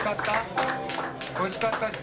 おいしかった人？